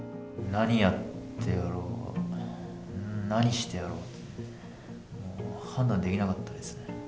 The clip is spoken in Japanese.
何やってやろう、何してやろう、もう判断できなかったですね。